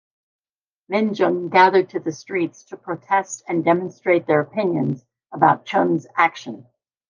Minjung gathered to the streets to protest and demonstrate their opinions about Chun's action.